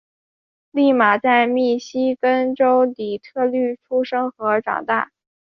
俪玛在密西根州底特律出生和长大。